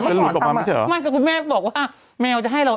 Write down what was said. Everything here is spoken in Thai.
คุณแม่บอกว่าแมวจะให้เราเอง